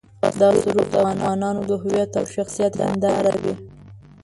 دا سرود د افغانانو د هویت او شخصیت هنداره وي.